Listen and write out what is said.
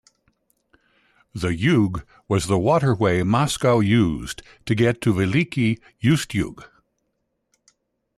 The Yug was the waterway Moscow used to get to Veliky Ustyug.